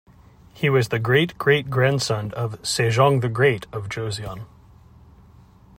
He was the great-great-grandson of Sejong the Great of Joseon.